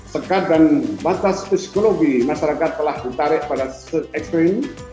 sekarang batas psikologi masyarakat telah ditarik pada sisi ekstrim